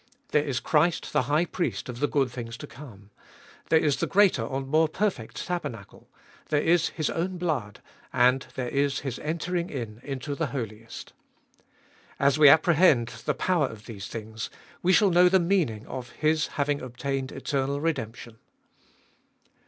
There is Christ the High Priest of the good things to come, there is the greater and more perfect tabernacle, there is His own blood, and there is His entering in into the Holiest. As we apprehend the power of these things, we shall know the meaning of His having obtained eternal redemption.